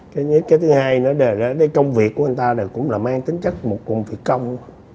cái thứ hai là công việc của người ta cũng là mang tính chất một công việc công